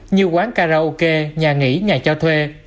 như quán karaoke nhà nghỉ nhà cho thuê